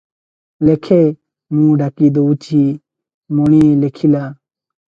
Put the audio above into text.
ଲେଖେ, ମୁଁ ଡାକି ଦଉଚି"- ମଣି ଲେଖିଲା-